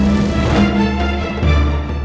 jangan lupa joko tingkir